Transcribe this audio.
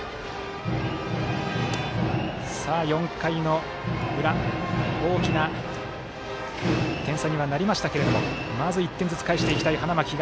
４回の裏大きな点差にはなりましたがまず１点ずつ返していきたい花巻東。